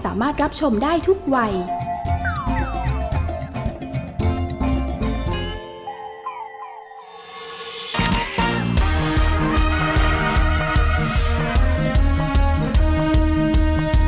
แม่บ้านผสมป้าน